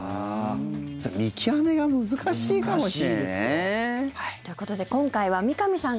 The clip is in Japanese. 見極めが難しいかもしれないですね。ということで今回は三上さん